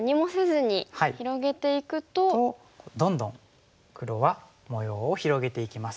どんどん黒は模様を広げていきます。